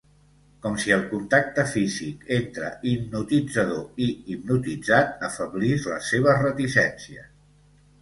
Com si el contacte físic entre hipnotitzador i hipnotitzat afeblís les seves reticències.